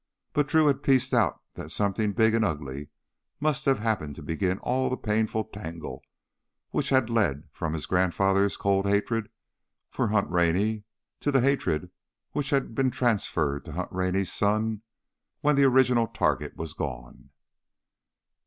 But Drew had pieced out that something big and ugly must have happened to begin all the painful tangle which had led from his grandfather's cold hatred for Hunt Rennie, that hatred which had been transferred to Hunt Rennie's son when the original target was gone.